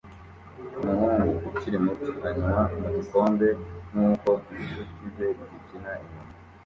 Umuhungu ukiri muto anywa mu gikombe nkuko inshuti ze zikina inyuma